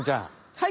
はい！